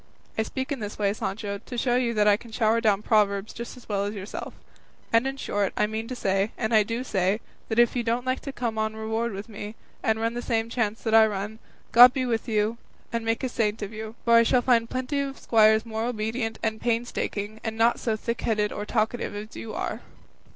I speak in this way, Sancho, to show you that I can shower down proverbs just as well as yourself; and in short, I mean to say, and I do say, that if you don't like to come on reward with me, and run the same chance that I run, God be with you and make a saint of you; for I shall find plenty of squires more obedient and painstaking, and not so thickheaded or talkative as you are."